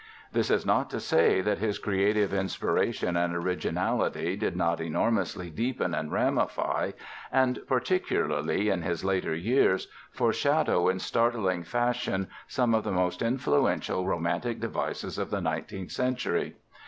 This is not to say that his creative inspiration and originality did not enormously deepen and ramify and, particularly in his later years, foreshadow in startling fashion some of the most influential romantic devices of the nineteenth century.